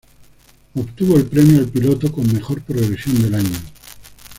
Obtuvo el premio al piloto con mejor progresión del año.